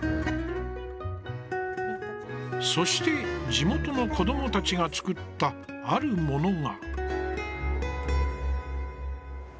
そして、地元の子どもたちが作ったあるものが。